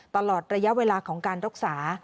ตลอดระยะเวลาของการรักษา